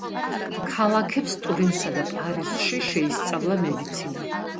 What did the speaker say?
ქალაქებს ტურინსა და პარიზში შეისწავლა მედიცინა.